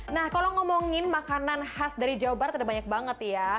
nah kalau ngomongin makanan khas dari jawa barat ada banyak banget ya